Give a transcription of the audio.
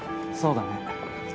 そうだね。